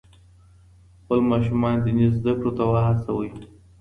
خپل ماشومان دیني زده کړو ته وهڅوئ.